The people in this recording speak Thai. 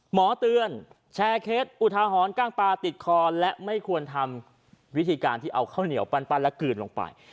หมอเตือนแชร์เคสอุทาหรณ์กล้างปลาติดคอและไม่ควรทำวิธีการที่เอาข้าวเหนียวปั้นและกลืนลงไป